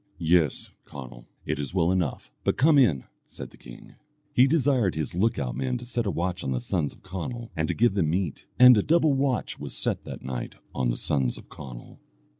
"Yes, Conall, it is well enough, but come in," said the king. He desired his look out men to set a watch on the sons of Conall, and to give them meat. And a double watch was set that night on the sons of Conall.